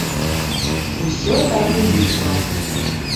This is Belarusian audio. Усё так і выйшла.